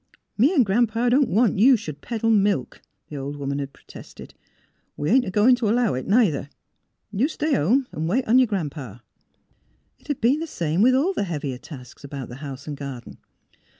" Me an' Gran 'pa don't want you should peddle milk," the old woman had protested. '' We ain't a goin' t' allow it, neither. You stay home an' wait on yer Gran 'pa." It had been the same with all the heavier tasks about the house and garden.